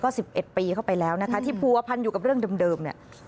ก็๑๑ปีเข้าไปแล้วที่ภูวะพันอยู่กับเรื่องเดิม